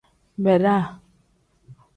Beeda.